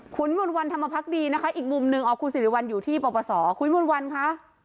คุณมุนวันธรรมพักดีนะคะอีกมุมหนึ่งอ๋อคุณสิริวัลอยู่ที่ประวัติศาสตร์คุณมุนวันค่ะ